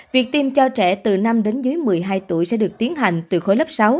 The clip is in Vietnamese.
việc tiêm cho trẻ từ năm đến dưới một mươi hai tuổi sẽ được tiến hành từ khối lớp sáu